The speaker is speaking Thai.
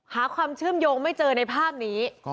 หาความเชื่อมโยงไม่เจอในภาพนี้